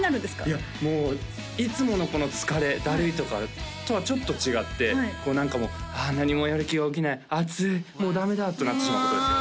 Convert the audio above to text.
いやもういつものこの疲れだるいとかとはちょっと違ってこう何かもうあ何もやる気が起きない暑いもうダメだってなってしまうことですよ